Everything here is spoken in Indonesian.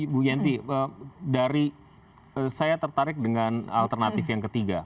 bu yenti dari saya tertarik dengan alternatif yang ketiga